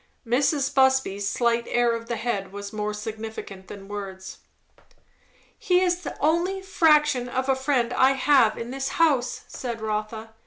Mrs. Busby's slight air of the head was more significant than words. "He is the only fraction of a friend I have in this house," said Rotha.